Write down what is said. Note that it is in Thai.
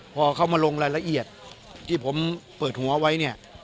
พอเข้ามาลงรายละเอียดที่ผมเปิดหัวไว้เนี่ย